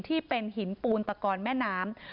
ที่เป็นหินปูนตะกอนแม่น้ำ